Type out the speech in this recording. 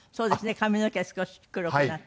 髪の毛が少し黒くなって。